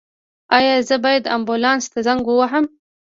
ایا زه باید امبولانس ته زنګ ووهم؟